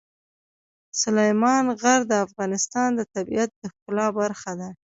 سلیمان غر د افغانستان د طبیعت د ښکلا برخه ده.